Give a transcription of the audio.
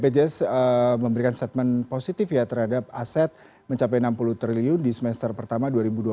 bpjs memberikan statement positif ya terhadap aset mencapai enam puluh triliun di semester pertama dua ribu dua puluh